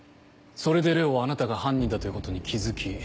それでＬＥＯはあなたが犯人だということに気付き